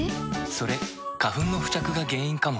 それ花粉の付着が原因かも。